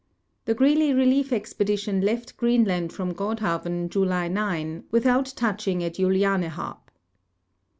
The Greely relief expedition left Greenland from Godhavn July 9, without toucliing at Julianehaab.